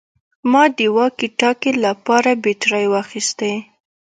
ما د واکي ټاکي لپاره بیټرۍ واخیستې